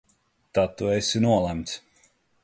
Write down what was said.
Tad tu esi nolemts!